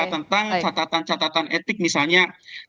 tentang catatan catatan etik misalnya